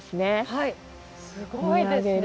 はいすごいですね。